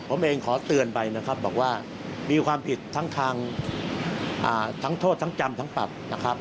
ผมเองขอเตือนไปนะครับบอกว่ามีความผิดทั้งทางทั้งโทษทั้งจำทั้งปรับนะครับ